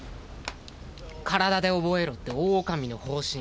体で覚えろって大女将の方針。